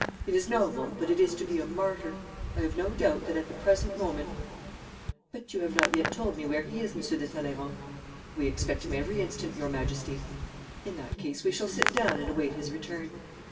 It is noble, but it is to be a martyr. I have no doubt that at the present moment but you have not yet told me where he is, Monsieur de Talleyrand.' 'We expect him every instant, your Majesty.' 'In that case we shall sit down and await his return.